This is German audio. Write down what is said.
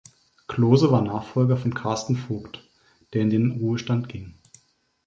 Klose war Nachfolger von Karsten Voigt, der in den Ruhestand ging.